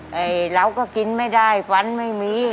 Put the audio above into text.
แต่เราก็กินไม่ได้ฟันไม่มี